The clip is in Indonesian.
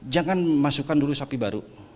jangan masukkan dulu sapi baru